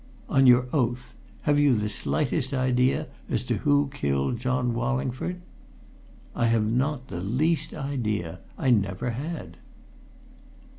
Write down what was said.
"On your oath, have you the slightest idea as to who killed John Wallingford?" "I have not the least idea! I never have had."